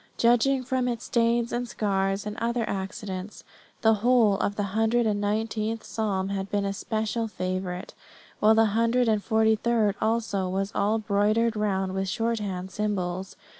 Judging from its stains and scars and other accidents, the whole of the hundred and nineteenth psalm had been a special favourite; while the hundred and forty third also was all broidered round with shorthand symbols.